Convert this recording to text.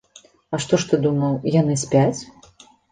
А што ж ты думаў, яны спяць?